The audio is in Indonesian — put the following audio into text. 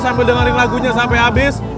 sampai dengerin lagunya sampai habis